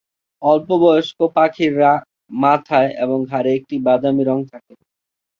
অল্প বয়স্ক পাখির মাথায় এবং ঘাড়ে একটি বাদামী রঙ থাকে।